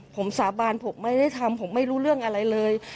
ผมสาบานผมไม่ได้ทำผมไม่รู้เรื่องอะไรเลย